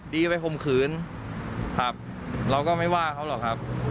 จะไปข่มขืนครับเราก็ไม่ว่าเขาหรอกครับ